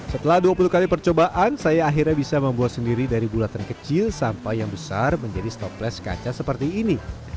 setelah dua puluh kali percobaan saya akhirnya bisa membuat sendiri dari bulatan kecil sampai yang besar menjadi stopless kaca seperti ini